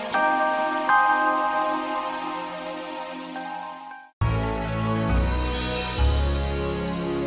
terima kasih om